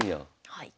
はい。